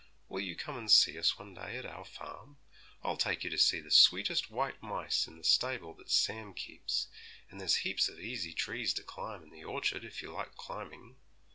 Will you come and see us one day at our farm? I'll take you to see the sweetest white mice in the stable that Sam keeps, and there's heaps of easy trees to climb in the orchard, if you like climbing!'